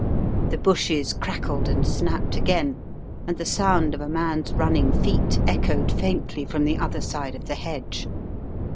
The bushes crackled and snapped again, and the sound of a man's running feet echoed faintly from the other side of the hedge.